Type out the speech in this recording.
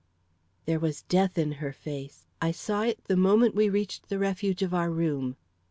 There was death in her face; I saw it the moment we reached the refuge of our room.